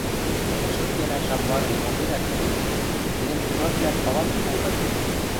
Эче ик гӓнӓ шамланен попенӓт ылгецӹ, тӹньӹм дураквлӓн палатыш колтат ыльы.